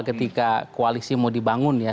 ketika koalisi mau dibangun ya